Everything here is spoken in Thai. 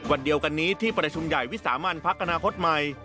วันเดียวกันนี้ที่ประชุมใหญ่วิสามันพักอนาคตใหม่